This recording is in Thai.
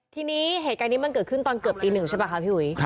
ทีนี้เหตุการณ์นี้มันเกิดขึ้นตอนเกือบตีหนึ่งใช่ป่ะคะพี่หุย